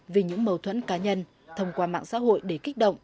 vì những mâu thuẫn cá nhân thông qua mạng xã hội để kích động